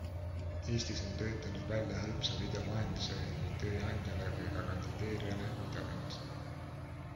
Eestis on töötanud välja hõlpsa videolahenduse nii tööandjale kui ka kandideerijale Videolind.